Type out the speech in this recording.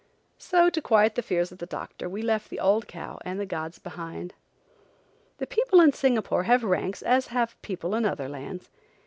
So to quiet the fears of the doctor we left the old cow and the gods behind. The people in Singapore have ranks as have people in other lands.